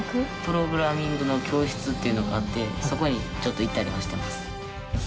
プログラミングの教室っていうのがあってそこにちょっと行ったりはしてます。